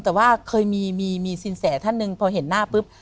แต่ว่าเคยมีสินแสท่านหนึ่งพอเห็นหน้าปุ๊บ